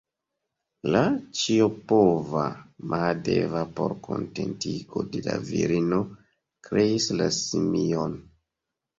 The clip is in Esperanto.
La ĉiopova Mahadeva por kontentigo de la virino kreis la simion.